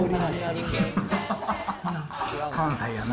関西やな。